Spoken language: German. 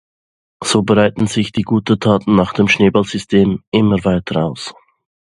So breiten sich die guten Taten nach dem Schneeballsystem immer weiter aus.